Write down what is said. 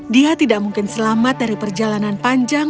dia tidak mungkin selamat dari perjalanan panjang